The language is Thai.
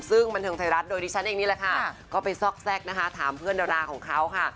ซึ่งบันเทิงไทยรัฐโดยดิฉันเองนี่แหละค่ะก็ไปซอกแทรกนะคะถามเพื่อนดาราของเขาค่ะ